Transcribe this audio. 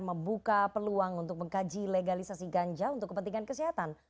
membuka peluang untuk mengkaji legalisasi ganja untuk kepentingan kesehatan